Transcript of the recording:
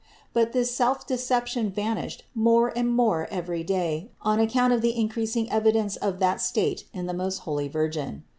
But this self deception vanished more and more every day on account of the increasing evidence of that state in the most holy Virgin.